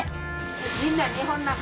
みんな日本の母。